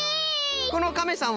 このカメさん